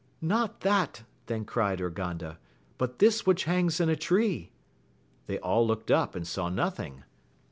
Not that, then cried Urganda, but this which hangs in a tree. They all looked up, and saw nothing.